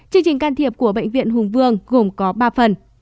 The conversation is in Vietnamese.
chương trình can thiệp của bệnh viện hùng vương gồm có ba phần